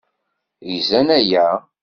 Gzan aya?